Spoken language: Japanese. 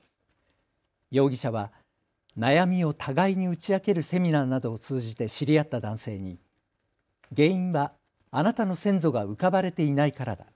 容疑者は悩みを互いに打ち明けるセミナーなどを通じて知り合った男性に原因はあなたの先祖がうかばれていないからだ。